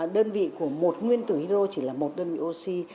đơn vị của một nguyên tử hyro chỉ là một đơn vị oxy